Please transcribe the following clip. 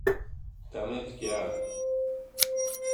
دمت گرم